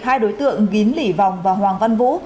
hai đối tượng gín lỷ vòng và hoàng văn vũ